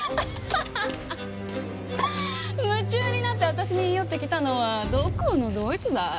夢中になって私に言い寄ってきたのはどこのどいつだい？